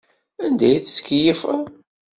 Anda ay tettkeyyifeḍ?